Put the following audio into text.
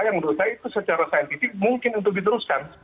yang menurut saya itu secara saintifik mungkin untuk diteruskan